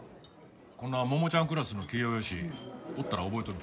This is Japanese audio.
こんな桃ちゃんクラスの器量よしおったら覚えとる。